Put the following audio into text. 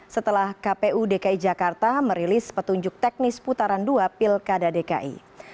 setelah kpu dki jakarta merilis petunjuk teknis putaran dua pilkada dki